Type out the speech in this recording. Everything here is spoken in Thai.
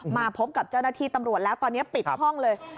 มาพบกับเจ้าหน้าที่ตำรวจแล้วตอนนี้ปิดห้องเลย